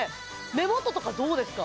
目元とかどうですか？